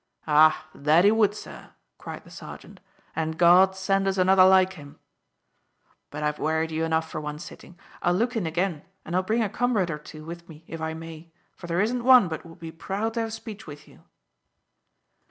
"Ah, that he would, sir!" cried the sergeant; "and God send us another like him. But I've wearied you enough for one sitting. I'll look in again, and I'll bring a comrade or two with me, if I may, for there isn't one but would be proud to have speech with you."